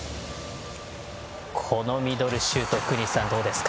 このミドルシュート福西さん、どうですか？